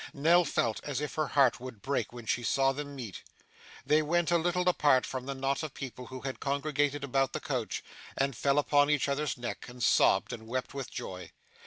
Nell felt as if her heart would break when she saw them meet. They went a little apart from the knot of people who had congregated about the coach, and fell upon each other's neck, and sobbed, and wept with joy.